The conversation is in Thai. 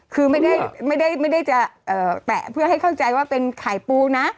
คือไม่ได้จะแตะเพื่อให้เข้าใจว่าเป็นไข่ปูนะ